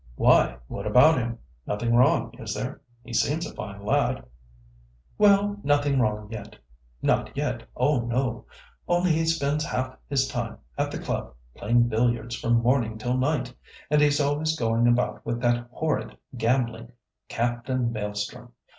"Why, what about him? Nothing wrong, is there? He seems a fine lad." "Well, nothing wrong yet. Not yet; oh, no! Only he spends half his time at the club, playing billiards from morning till night, and he's always going about with that horrid gambling Captain Maelstrom.